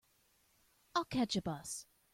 I'll catch a bus.